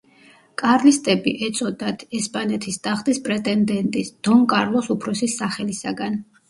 კარლისტები ეწოდათ ესპანეთის ტახტის პრეტენდენტის დონ კარლოს უფროსის სახელისაგან.